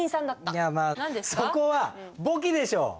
いやまあそこは簿記でしょ！